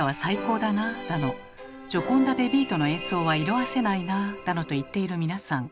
だの「ジョコンダ・デ・ヴィートの演奏は色あせないな」だのと言っている皆さん。